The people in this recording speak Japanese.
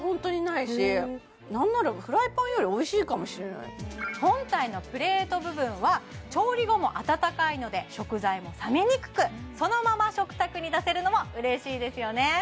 なんなら本体のプレート部分は調理後も温かいので食材も冷めにくくそのまま食卓に出せるのも嬉しいですよね